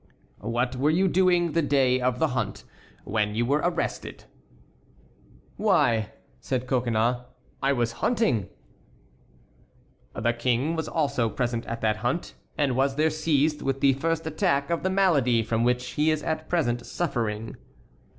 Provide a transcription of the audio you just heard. "What were you doing the day of the hunt, when you were arrested?" "Why," said Coconnas, "I was hunting." "The King was also present at that hunt, and was there seized with the first attack of the malady from which he is at present suffering."